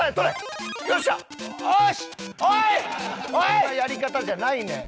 そんなやり方じゃないねん。